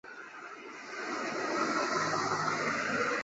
通常通用编程语言不含有为特定应用领域设计的结构。